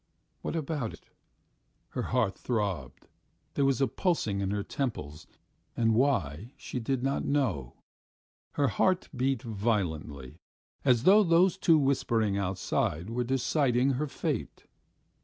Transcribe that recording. What about? Her heart throbbed, there was a pulsing in her temples, and why she did not know. ... Her heart beat violently as though those two whispering outside were deciding her fate.